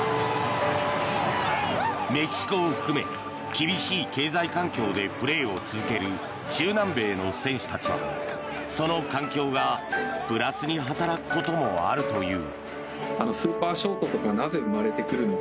メキシコを含め厳しい経済環境でプレーを続ける中南米の選手たちはその環境がプラスに働くこともあるという。